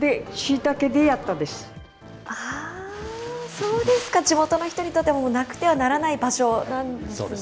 そうですか、地元の人にとってはもうなくてはならない場所なんですね。